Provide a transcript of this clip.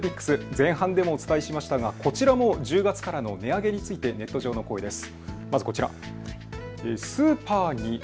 前半でもお伝えしましたがこちらも１０月からの値上げについてネット上の声です。